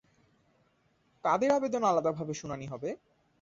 কাদের আবেদন আলাদাভাবে শুনানি হবে?